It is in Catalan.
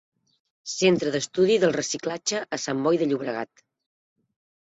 Centre d'Estudi del Reciclatge a Sant Boi de Llobregat.